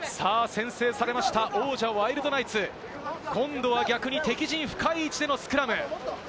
先制されました王者・ワイルドナイツ、今度は逆に敵陣の深い位置でのスクラム。